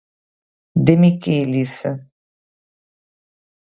De Michelis